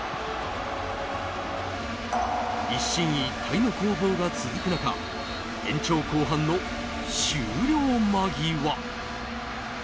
一進一退の攻防が続く中延長後半の終了間際。